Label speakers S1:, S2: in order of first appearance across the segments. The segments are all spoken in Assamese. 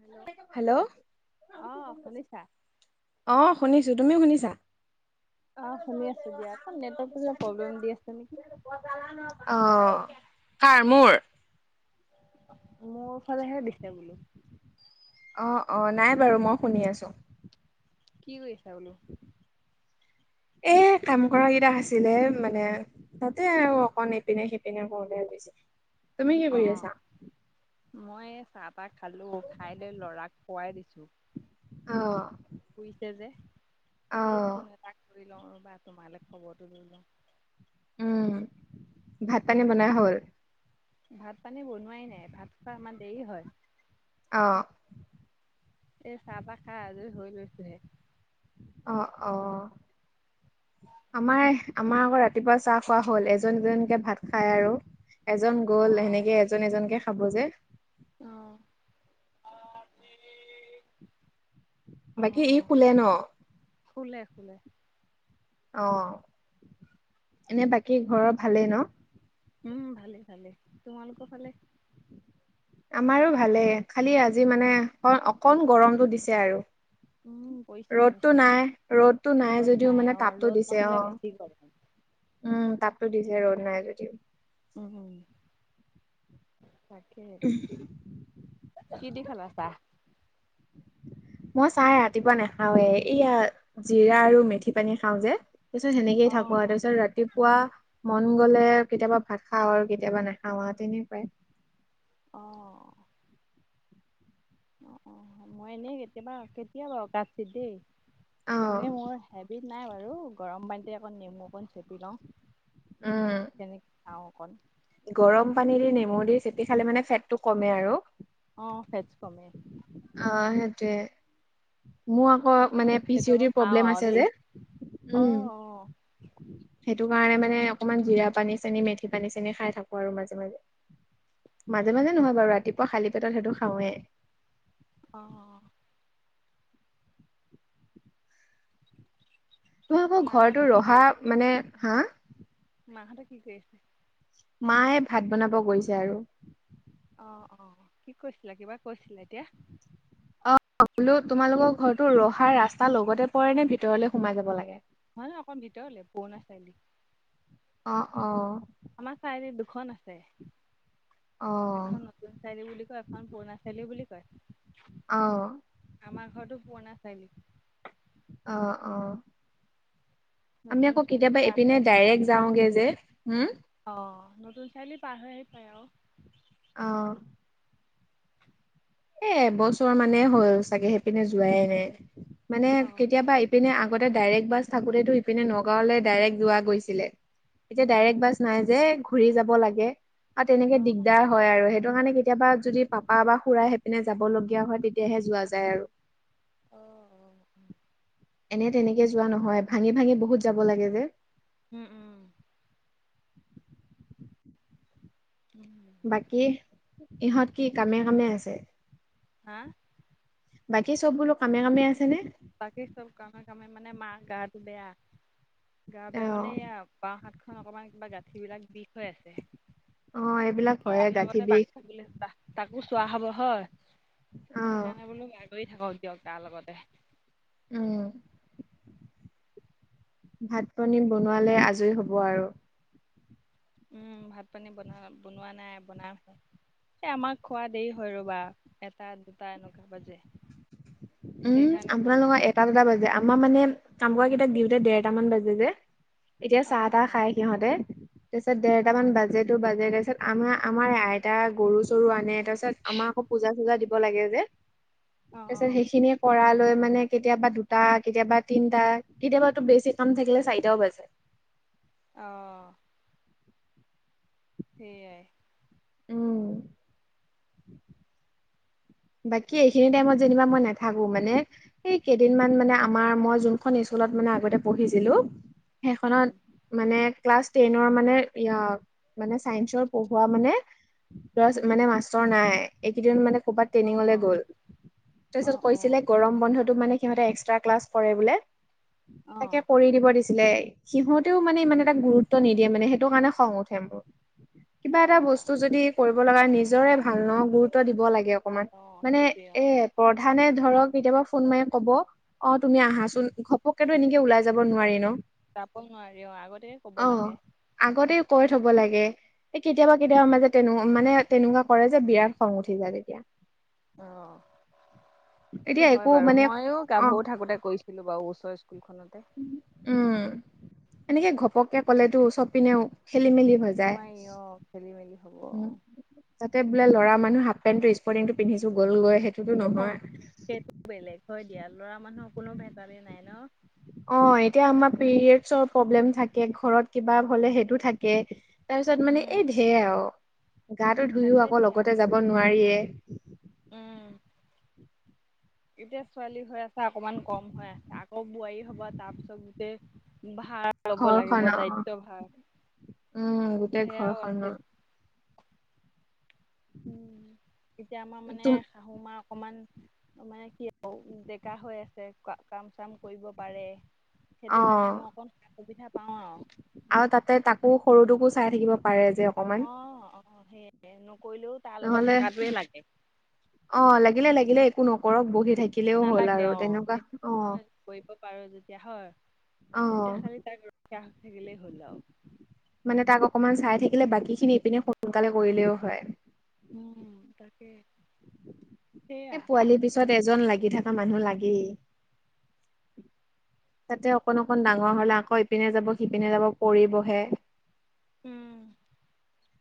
S1: হেল্ল'
S2: হেল্ল'
S1: অ' শুনিছা?
S2: অ', শুনিছোঁ, তুমি শুনিছা?
S1: অ', শুনি আছোঁ দিয়া অকণ নেটৱৰ্কটো কিবা প্ৰব্লেম দি আছে নেকি?
S2: অ', কাৰ মোৰ?
S1: মোৰ ফালেহে দিছে বোলো।
S2: অ', অ' নাই বাৰু মই শুনি আছোঁ।
S1: কি কৰি আছা বুলো?
S2: এহ, কাম কৰা কেইটা আছিলে মানে তাতে আৰু অকণ ইপিনে সিপিনে [unintelligible] কি কৰি আছা?
S1: অ', মই এই চাহ তাহ খালোঁ, খাই লৈ ল'ৰাক শুৱাই দিছোঁ।
S2: অ'।
S1: শুইছে যে
S2: অ
S1: বোলো ফোন এটা কৰি লওঁ বা তোমালৈ খবৰটো দি লওঁ।
S2: উম, ভাত পানী বনাই হ'ল?
S1: ভাত পানী বনোৱাই নাই ভাত খোৱা আমাৰ দেৰি হয়।
S2: অ'।
S1: এই চাহ তাহ খাই আজৰি হৈ লৈছোঁ হে।
S2: অ', অ'। আমাৰ আমাৰ আকৌ ৰাতিপুৱা চাহ খোৱা হ'ল এজন এজনীকে ভাত খায় আৰু। এজন গ'ল
S1: অ'
S2: সেনেকে এজন এজনকে খাব যে।
S1: অ'।
S2: বাকী
S1: অ',
S2: ই
S1: অ',
S2: শুলে ন
S1: শুলে শুলে।
S2: অ', এনে বাকী ঘৰৰ ভালেই ন?
S1: উম, ভালে ভালে তোমালোকৰ [unintelligible]
S2: আমাৰো ভালেই খালি আজি মানে অ-অকণ গৰমতটো দিছে আৰু।
S1: উম পৰিছে পৰিছে।
S2: ৰ'দটো নাই ৰ'দটো নাই
S1: ৰ'দ
S2: যদিও মানে
S1: অ'
S2: তাপটো
S1: ৰ'দ
S2: দিছে
S1: নহ'লে
S2: অ'।
S1: বেছি গৰম।
S2: উম, তাপতো দিছে ৰ'দ নাই যদিও।
S1: উম, তাকেই। কি দি খালা চাহ।
S2: মই চাহ ৰাতিপুৱা নাখাৱে, এইয়া জিৰা আৰু মেথি পানী খাও যে। তাৰপিছত সেনেকে থাকোঁ
S1: অ',
S2: তাৰপিছত ৰাতি পূৱা মন গ'লে কেতিয়াবা ভাত খাওঁ আৰু কেতিয়াবা নাখাওঁ আৰু তেনেকুৱাই
S1: অ'। অ', মই এনেই কেতিয়াবা, কেতিয়াবা বাৰু কাৎচিত দেই
S2: অ
S1: এনেই মোৰ হেবিট নাই বাৰু, গৰম পানীতে অকণ নেমু অকণ চেপি লওঁ
S2: উম
S1: আৰুওঁ অকণ।
S2: গৰম পানী দি নেমু দি চেপি খালে মানে, ফেটটো কমে আৰু।
S1: অ', ফেটজ কমে।
S2: অ', সেইটোৱে মোৰ হয়
S1: সেইটো
S2: মানে পি
S1: সেইটো আকৌ
S2: চি
S1: খাওঁ
S2: প্ৰব্লেম
S1: আৰু
S2: আছে
S1: দেই
S2: যে
S1: অ',
S2: উম [unintelligible]
S1: অ',
S2: সেইটো কাৰে মানে অকনমান, জিৰা পানী, চেনি মেথি, পানী চেনি খাই থাকোঁ আৰু মাজে, মাজে। মাজে, মাজে
S1: অ',
S2: নহয় বাৰু, ৰাতিপুৱা খালি পেটত সেইটো খাওঁৱে।
S1: অ'।
S2: তুই আকৌ
S1: মাহঁতে
S2: ঘৰটোো
S1: কি কৰি
S2: ৰহা
S1: আছে
S2: মানে হা [unintelligible]
S1: মাহঁতে কি কৰি আছে?
S2: মায়ে ভাত বনাব গৈছে আৰু।
S1: অ, অ', কি কৈছিলা, কিবা কৈছিলা এতিয়া?
S2: অ' বোলো তোমালোকৰ ঘৰটো ৰহাৰ ৰাস্তা লগতে পৰে নে, ভিতৰলে সোমাই যাব লাগে।
S1: নহয়, অকণ ভিতৰলে পুৰণা চাৰআ
S2: অ, অ'।
S1: আমাৰ চাৰআলিত দুখন আছে,
S2: অ
S1: এখন চাই বুলি কয়, এখন পুৰণা চাৰিআলি বুলি কয়।
S2: অ'।
S1: আমাৰ ঘৰৰটো পুৰণা চাৰিআলি।
S2: অ, অ'। আমি
S1: নতুন
S2: আকৌ
S1: চাৰিআলি
S2: কেতিয়াবা,
S1: পাৰ
S2: ইপিনে
S1: হৈ আহি পায়
S2: ডাইৰেক্ট
S1: আৰু।
S2: যাওঁগে যে,
S1: অ', নতুন চাৰিআলি পাৰ হৈ আহি, পায় আৰু।
S2: অ',। এ, এবছৰ মানে হ'ল চাগে, সেইপিনে যোৱাই নাই, মানে
S1: অ',
S2: কেতিয়াবা ইপিনে আগতে ডাইৰেক্ট বাছ থাকোঁতে, ইপিনে নগাঁওলৈ ডাইৰেক্ট যোৱা গৈছিলে, এতিয়া
S1: উম,
S2: ডাইৰেক্ট বাছ নাই যে, ঘুৰি যাব লাগে, আৰু তেনেকে দিগদাৰ হয় আৰু, সেইটো কাৰণে কেতিয়াবা যদি পাপা, বা খুৰাই এনে যাব লগীয়া হয়, তেতিয়াহে যোৱা যায় আৰু।
S1: অ, অ, অ'।
S2: এনে তেনেকে যোৱা নহয়, ভাঙি ভাঙি বহুত যাব লাগে যে।
S1: উম, উম। উমু [unintelligible]
S2: বাকী, ইহঁত কি কামে, কামে আছে?
S1: হা?
S2: বাকী, চব বোলো কামে কামে আছে নে?
S1: বাকি চব কামে, কামে মানে, মা গাটো বেয়া। গা
S2: অ
S1: বেয়া মানে এইয়া আ বাওঁ হাতখন অকণমান কিবা, গাঁঠিবিলাক বিষ হৈ আছে।
S2: অ এইবিলাক হয়ে
S1: ল'ৰাৰ
S2: গাঁঠি
S1: লগতে
S2: বিষ
S1: বাকি [unintelligible] চা। তাকো চোৱা হ'ব হয়,
S2: অ
S1: সেইকাৰণে বোলো আ [unintelligible] কৰি থাকক দিয়ক তাৰ লগতে।
S2: উম। ভাত-পানী বনোৱালে আজৰি হ'ব আৰু।
S1: উম্ ভাত পানী বনা বনোৱা নাই বনামহে। এ, আমাক খোৱা দেৰি হয় ৰবা, এটা, দুটা এনেকুৱা বাজে।
S2: উম,
S1: সেইকাৰণে বনোৱা
S2: আপোনালোকৰ এটা দুটা বাজে। আমাৰ মানে কাম কৰা কেইটাক দিওঁতে দেৰটামান বাজে যে এতিয়া চাহ-তাহ
S1: অ',
S2: খাই সিহঁতে, তাৰপিছত দেৰটামান
S1: অ',
S2: বাজে তো বাজে তাৰপিছত আমাৰ, আমাৰ আইতা গৰু চৰু আনে। তাৰপিছত আমাক আকৌ পূজা-চুজা দিব লাগে যে তাৰ
S1: অ',
S2: পিছত
S1: অ',
S2: সেই খিনি কৰা লৈ মানে কেতিয়াবা দুটা, কেতিয়াবা তিনটা, কেতিয়াবা বেছি কাম থাকিলে চাৰিটাও বাজে।
S1: অ'। সেইয়াই।
S2: উম! বাকী, এইখিনতে, টাইমত যেনিবা, মই নাথাকোঁ। মানে এই কেইদিনমান মানে, আমাৰ মই যোনখন স্কুলত মানে, আগতে পঢ়িছিলোঁ। সেইখনত
S1: উম,
S2: মানে, ক্লাছ টেনৰ মানে, এইয়া, মানে চাইন্সৰ পঢ়োৱা মানে, [unintelligible]
S1: উম।
S2: মানে, মাষ্টৰ নাই। এইকেইদিন মানে, ক'ৰবাত
S1: অ',
S2: ট্ৰেইনিংলৈ গ'ল। তাৰ পিছত,
S1: অ',
S2: কৈছিলে,
S1: অ',
S2: গৰম বন্ধটো মানে, সিহঁতে এক্স এক্সট্ৰা ক্লাছ কৰে বোলে।
S1: অ',
S2: তাকে, কৰি দিব দিছ দিছিলে। সিহঁতেও মানে, ইমান এটা গুৰুত্ব নিদিয়ে মানে, সেইটো কাৰণে, খং উঠে মোৰ! কিবা এটা
S1: অ',
S2: বস্তু যদি, কৰিব লগা নিজৰে ভাল ন'! গুৰুত্ব দিব লাগে।
S1: ভাল
S2: অকমান,
S1: অ',
S2: মানে
S1: সেইটোৱে
S2: এ,
S1: অ'।
S2: প্ৰধানে ধৰক, কেতিয়াবা ফোন মাৰি ক'ব! অ'! তুমি
S1: উম।
S2: আহাচোন? [unintelligible] ঘপকেতো, এনেকে ওলাই যাব নোৱাৰি ন'!
S1: যাব নোৱাৰি, অ'! আগতেে ক'ব
S2: অ
S1: লাগে।
S2: আগতে, কৈ থ'ব লাগে। এ,
S1: উম,
S2: কেতিয়াবা-কেতিয়াবা
S1: উম।
S2: মাজে, তেনে মানে, তেনেকুৱা কৰে যে, বিৰাট খং উঠি যায়, তেতিয়া।
S1: অ'! সেইটো
S2: এতিয়া
S1: হয়
S2: একো
S1: বাৰু!
S2: মানে
S1: মইয়ো
S2: অ
S1: গাভৰু থাকোঁতে কৰি কৰিছিলোঁ বাৰু ওচৰ স্কুলখনতে।
S2: উম! এনেকে, ঘপককে ক'লেতো, চবপিনেও খেলি-মেলি হৈ যায়।
S1: নোৱাৰি অ', খেলি মেলি হ'ব
S2: [inaudible] উম!
S1: অ'।
S2: তাতে, বোলে ল'ৰা মানুহ, হাফপেনটো-স্পৰ্টিংটো পিন্ধিছোঁ, গ'লগৈ। সেইটো,
S1: অ'! সেইটো বেলেগ, হয়, দিয়া। ল'ৰা মানুহৰ কোনো ভেজালে নাই ন'!
S2: অ'! এতিয়া আমাৰ, পিৰিয়ডচৰ প্ৰব্লেম থাকে, ঘৰত কিবা হ'লে, সেইটো থাকে। তাৰপিছত মানে,
S1: উম,
S2: এই ধেৰ আৰু। গাটো ধুইও
S1: থাকে
S2: আকৌ,
S1: দিয়া
S2: লগতে যাব নোৱাৰিয়ে।
S1: উম! এতিয়া, ছোৱালী হৈ আছা, অকনমান কম হৈ আছা। আকৌ, বোৱাৰী হ'বা! তাৰ পিছত, গোটেই ভাৰ ল'ব লাগিব,
S2: ঘৰখন অ
S1: দায়িত্ব ভাৰ!
S2: উম গোটেই
S1: সেয়াও আছে।
S2: ঘৰখনৰ
S1: উম! এতিয়া আমাৰ
S2: তুম
S1: মানে, শাহুমা অকমান মানে, কি আৰু ডেকা হৈ আছে, কা, কাম-চাম কৰিব পাৰে।
S2: অ
S1: সেইটো কাৰণে, মই অকণ সুবিধা পাওঁ আৰু।
S2: আৰু তাতে, তাকো সৰুটোকো চাই থাকিব পাৰে, যে। অ'!
S1: অ'! সেয়ে, নকৰিলেও তাৰ লগত
S2: নহ'লে,
S1: থকাটোৱে লাগে
S2: অ'! লাগিলে-লাগিলে, একো নকৰক বহি থাকি থাকিলেও হ'ল
S1: নালাগে
S2: আৰু।
S1: অ',
S2: তেনেকুৱা,
S1: সেই
S2: অ'!
S1: মই কৰিব পাৰোঁ যেতিয়া, হয়!
S2: অ
S1: তেতিয়া, খালি তাক, ৰক্ষা থাকিলেই হ'ল আৰু।
S2: মানে, তাক অকমান চাই থাকিলে, বাকী খিনি ইপিনে, সোনকালে কৰিলেও হয়।
S1: উম, তাকে।
S2: এ,
S1: সেয়া
S2: পোৱালিৰ পিছত, এজন লাগি থকা মানুহ লাগেই। তাতে, অকণ-অকণ ডাঙৰ হ'লে, আকৌ ইপিনে যাব, সিপিনে যাব, পৰিবহে।
S1: উম!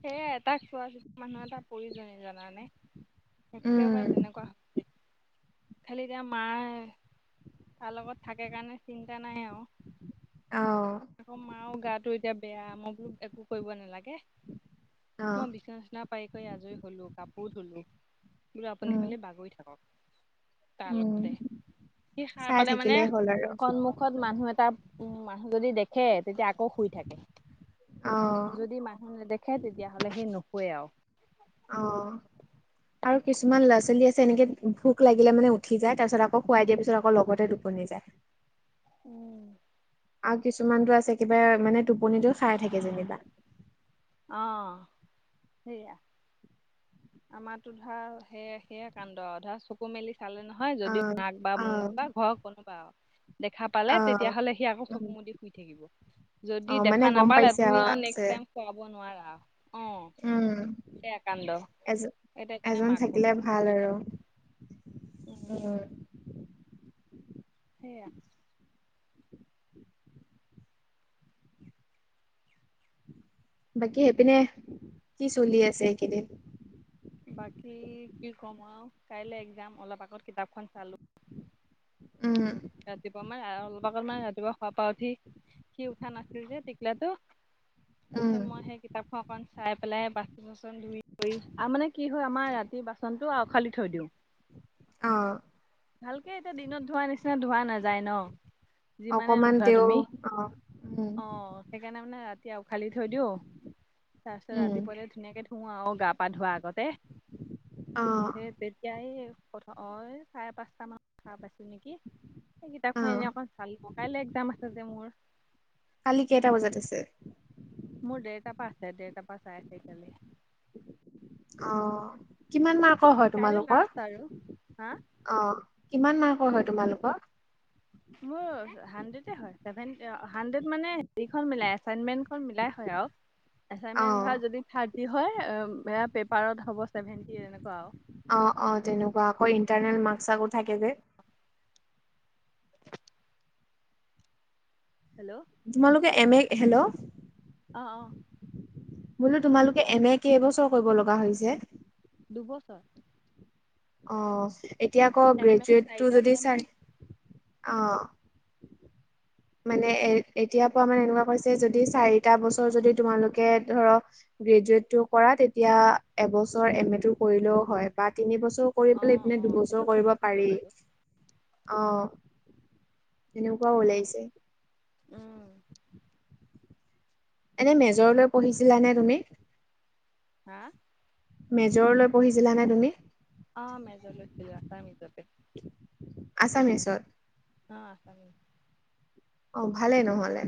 S1: সেয়ে, তাক চোৱা, মানুহ এটা প্ৰয়োজন জানানে। একেবাৰে,
S2: উম
S1: তেনেকুৱা [unintelligible] খালী এতিয়া, মাই তাৰ লগত থাকে কাৰণে, চিন্তা নাই আৰু।
S2: অ
S1: আকৌ, মাও গাটো এতিয়া বেয়া! মই বোলো, একো কৰিব নালাগে।
S2: অ
S1: মই বিছনা-চিছনা পাৰিকৈ, আজৰি হ'লো, কাপোৰ ধুলোঁ। বোলো, আপুনি
S2: উম
S1: খালী বাগৰি থাকক। তাৰ
S2: উম
S1: লগতে, সি সাৰ
S2: চাই
S1: পালে মানে,
S2: থাকিলেই হ'ল আৰু
S1: [unintelligible] মুখত মানুহ এটা, উম! মানুহ যদি দেখে, তেতিয়া আকৌ শুই থাকে।
S2: অ
S1: যদি মানুহ নেদেখে, তেতিয়াহ'লে, সি নুশুৱে আৰু।
S2: অ'!
S1: [unintelligible]
S2: আৰু কিছুমান ল'ৰা ছোৱালী আছে, এনেকে ভোক লাগিলে মানে উঠি যায়, তাৰ পিছত আকৌ খুৱাই দিয়াৰ পিছত আকৌ লগতে টোপনি যায়।
S1: উম।
S2: আৰু কিছুমানটো আছে, কিবা মানে টোপনিতে খাই থাকে যেনিবা।
S1: অ', সেয়া। আমাৰটো ধৰা সে, সেয়া কাণ্ড, ধৰা চকু মেলি চালো নহয়, যদি
S2: অ',
S1: মাক বা
S2: অ',
S1: মোক বা ঘৰৰ কোনোবা আৰু। দেখা পালে,
S2: অ',
S1: তেতিয়াহ'লে সি আকৌ
S2: উম,
S1: চকু মুদি শুই থাকিব। যদি
S2: অ', মানে
S1: দেখা
S2: গম
S1: নাপালে
S2: পাইছে
S1: তুমি আৰু
S2: আছে
S1: নেক্স টাইম শুৱাব নোৱাৰা, অ'
S2: উম,
S1: সেয়া কাণ্ড।
S2: এজ
S1: এইটো কাৰণে
S2: এজন
S1: মাক
S2: থাকিলে
S1: কৈছোঁ,
S2: ভাল
S1: শুই
S2: আৰু
S1: থাক, উম। সেয়া।
S2: বাকী সেইপিনে, কি চলি আছে এইকেইদিন।
S1: বাকী কি ক'ম আৰু, কাইলৈ এক্সাম অলপ আগত কিতাপখন চালো।
S2: উম।
S1: ৰাতিপুৱা মানে অলপ আগত মানে ৰাতিপুৱা শুৱাৰ পৰা উঠি সি উঠা নাছিল যে টিকলাটো, তাৰ
S2: উম,
S1: পিছত মই সেই কিতাপখন অকন চাই পেলাই বাচ [unintelligible] আৰু মানে কি হয় আমাৰ ৰাতি বাচনটো আউখালি থৈ দিওঁ।
S2: অ'।
S1: ভালকে এতিয়া দিনত ধোৱা নিচিনা, ধোৱা নাযায় ন'। যিমানে
S2: অকমান
S1: নোধোৱা
S2: তেওঁ
S1: তুমি,
S2: অ', উম,
S1: অ'। সেইকাৰণে মানে ৰাতি আউখালি থৈ দিওঁ, তাৰপিছত
S2: উম,
S1: ৰাতিপুৱালে ধুনীয়াকে ধোওঁ আৰু গা পা ধোৱাৰ আগতে,
S2: অ',
S1: সেই তেতিয়া এই, প্ৰথ এ চাৰে পাঁচটা মানত সাৰ পাইছোঁ নেকি। কিতাপখন
S2: অ',
S1: এনে অকণ চালো, কাইলৈ এক্সাম আছে যে মোৰ।
S2: কালি কেইটা বজাত আছে।
S1: মোৰ দেৰতাৰ পৰা আছে, দেৰতাৰ পৰা চাৰে চাৰিটা লৈ।
S2: অ', কিমান মাৰ্কৰ হয়
S1: কাইলৈ
S2: তোমালোকৰ।
S1: লাষ্ট আৰু হা
S2: অ', কিমান মাৰ্কৰ হয় তোমালোকৰ।
S1: মোৰ হাড্ৰেডে হয়, চেভেন হাড্ৰেড মানে, হেৰিখন মিলাই এছাইনমেণ্টখন মিলাই হয় আৰু।
S2: অ
S1: এছাইনমেণ্ট ধৰা যদি থাৰ্টি হয় অ', সেয়া পেপাৰত হ'ব ছেভেনটি, এনেকুৱা আৰু।
S2: অ', অ', তেনেকুৱা, আকৌ ইণ্টাৰনেল মাৰ্কচ আকৌ থাকে যে।
S1: [unintelligible] হেল্ল'।
S2: তোমালোকে এম এ, হেল্ল'।
S1: অ, অ',
S2: বোলো, তোমালোকে এম এ কেইবছৰ কৰিব লগা হৈছে?
S1: দুবছৰ।
S2: অ', এতিয়া আকৌ,
S1: এম এ
S2: গ্ৰেজুৱেটটো
S1: চাৰিটা
S2: যদি
S1: চেমহে
S2: চাৰি, অ' মানে, এ এতিয়া পৰা মানে এনেকুৱা কৰিছে, যদি চাৰিটা বছৰ যদি তোমালোকে ধৰক গগ্ৰেজুৱেটটো কৰা, তেতিয়া এবছৰ এম এ টো কৰিলেও হয়, বা তিন বছৰ কৰি
S1: অ
S2: পেলাই, ইপিনে
S1: অ
S2: দুবছৰ
S1: সেইটো
S2: কৰিব
S1: শুনিছিলো
S2: পাৰি।
S1: বাৰু
S2: অ', এনেকুৱাও
S1: উম
S2: ওলাইছে।
S1: উম।
S2: এনে মেজৰলৈ পঢ়িছিলানে তুমি?
S1: হা?
S2: মেজৰ লৈ পঢ়িছিলা নে তুমি?
S1: অ', মেজৰ লৈছিলোঁ আছামিছতে।
S2: আছামিছত?
S1: অ', আছামিছ।
S2: অ' ভালে নহ'লে।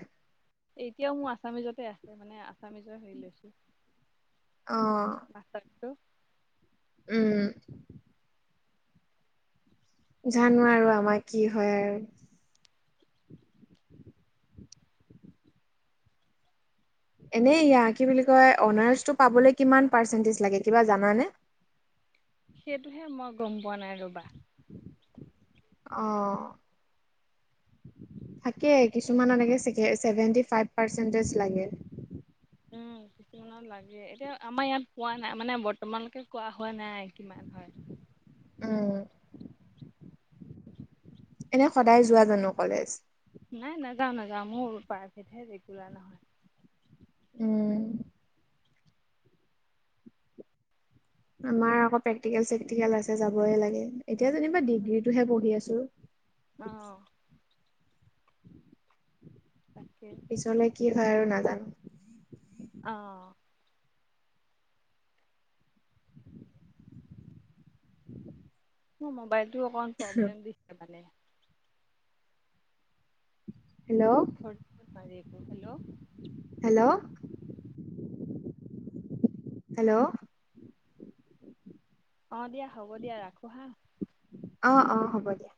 S1: এতিয়াও মোৰ আছামিজতে আছে, মানে আছামিজৰ হেৰি লৈছো।
S2: অ'।
S1: [unintelligible]
S2: উম। জানো আৰু আমাৰ কি হয় আৰু। এনেই ইয়া কি বুলি কয় অনাৰ্ছটো পাবলৈ কিমান পাৰ্চেণ্টেজ লাগে কিবা জানানে?
S1: সেইটোহে মই গম পোৱা নাই ৰ'বা।
S2: অ'। থাকে, কিছুমানলৈকে চেভেনটি ফাইভ পাৰ্চেনতেজ লাগে।
S1: উম। কিমানত লাগে, এতিয়া আমাৰ ইয়াত পোৱা নাই, মানে বৰ্তমানলৈকে কোৱা হোৱা নাই কিমান হয়।
S2: উম। এনেই সদায় যোৱা জানো কলেজ?
S1: নাই নাযাওঁ নাযাওঁ, মোৰ প্ৰাইভেটহে ৰেগুলাৰ নহয়।
S2: উম। আমাৰ আকৌ প্ৰেক্টিকেল চেকটিকেল আছে, যাবই লাগে, এতিয়া যেনিবা ডিগ্ৰীতটোহে পঢ়ি আছো।
S1: অ'। তাকে
S2: পিছলে কি হয় আৰু নাজানো।
S1: অ'। মোৰ মোবাইলটো অকণমান প্ৰব্লেম দিছে মানে।
S2: হেল্ল'।
S1: [unintelligible] হেল্ল
S2: হেল্ল', হেল্ল'
S1: অ' দিয়া, হ'ব দিয়া, ৰাখো হা।
S2: অ' অ' হ'ব দিয়া।